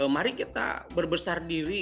mari kita berbesar diri